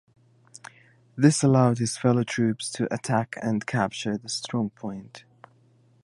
This allowed his fellow troops to attack and capture the strongpoint.